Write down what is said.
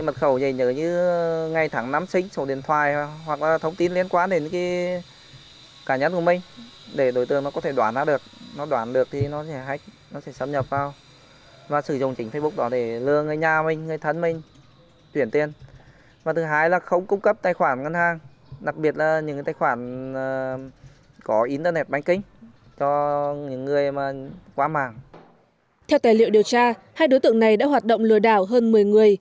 theo tài liệu điều tra hai đối tượng này đã hoạt động lừa đảo hơn một mươi người